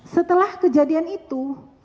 setelah kejadian itu